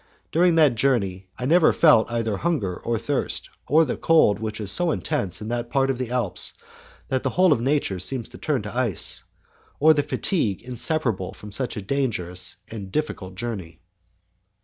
During that journey I never felt either hunger or thirst, or the cold which is so intense in that part of the Alps that the whole of nature seems to turn to ice, or the fatigue inseparable from such a difficult and dangerous journey.